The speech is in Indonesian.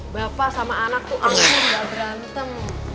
bapak sama anak tuh aku gak berantem